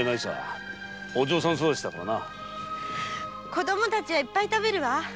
子供たちはいっぱい食べるわ。